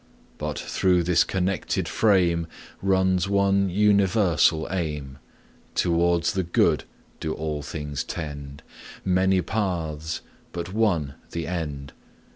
But through this connected frame Runs one universal aim; Towards the Good do all things tend, Many paths, but one the end.